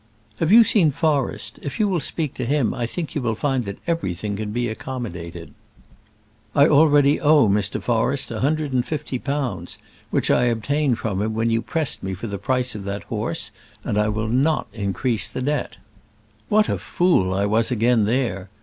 "Have you seen Forrest? If you will speak to him I think you will find that everything can be accommodated." "I already owe Mr. Forrest a hundred and fifty pounds, which I obtained from him when you pressed me for the price of that horse, and I will not increase the debt. What a fool I was again there.